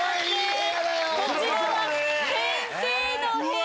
こちらは先生のお部屋。